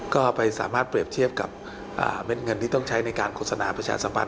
ก็ไปสามารถเปรียบเทียบกับเม็ดเงินที่ต้องใช้ในการโฆษณาประชาสัมพันธ